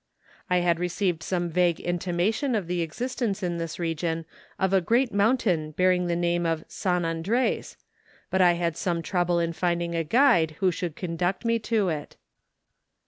I had received some vague intimation of the existence in this region of a great mountain bearing the name of San Andres, but I liad some trouble in finding a guide who should conduct me to it.